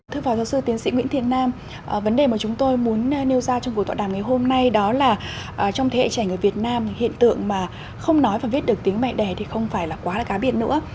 thưa phó giáo sư tiến sĩ nguyễn thiên nam vấn đề mà chúng tôi muốn nêu ra trong buổi tọa đàm ngày hôm nay đó là trong thế hệ trẻ ở việt nam hiện tượng mà không nói và viết được tiếng mẹ đẻ thì không phải là quá là cá biệt nữa